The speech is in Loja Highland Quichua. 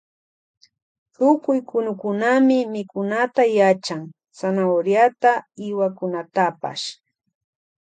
Tukuy kunukunami mikunata yachan zanahoriata y hiwakunatapash.